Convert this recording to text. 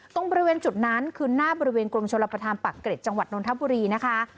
ตรงบริเวณจุดนั้นคือหน้าบริเวณกรมชลประธานปากเกร็จจังหวัดนทบุรีนะคะ